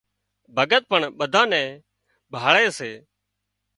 ڀڳت پڻ ٻڌانئين نين ڀاۯي سي